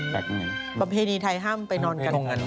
ประเภทของพิธีไทยห้ามไปนอนซักไม่ทำแบบงั้น